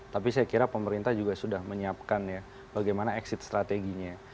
tapi saya kira pemerintah juga sudah menyiapkan ya bagaimana exit strateginya